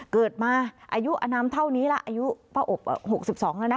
เกิดมาอายุอนามเท่านี้ล่ะอายุป้าอบ๖๒แล้วนะ